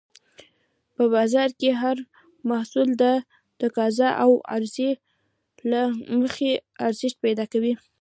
په بازار کې هر محصول د تقاضا او عرضې له مخې ارزښت پیدا کوي.